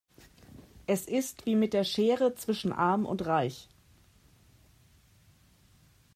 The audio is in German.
Es ist wie mit der Schere zwischen arm und reich.